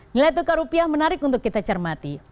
nilai tukar rupiah menarik untuk kita cermati